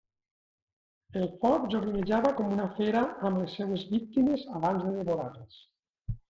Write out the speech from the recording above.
El foc joguinejava com una fera amb les seues víctimes abans de devorar-les.